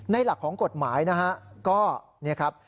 ในหลักของกฎหมายนะครับ